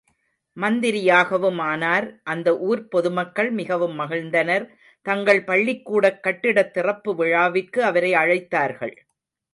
மந்திரியாகவும் ஆனார். அந்த ஊர்ப் பொதுமக்கள் மிகவும் மகிழ்ந்தனர் தங்கள் பள்ளிக்கூடக் கட்டிடத் திறப்பு விழாவிற்கு அவரை அழைத்தார்கள்.